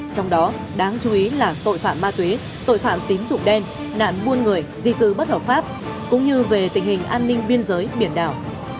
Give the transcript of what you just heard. trong đó đáng chú ý là tội phạm ma túy tội phạm tín dụng đen nạn buôn người di cư bất hợp pháp cũng như về tình hình an ninh biên giới biển đảo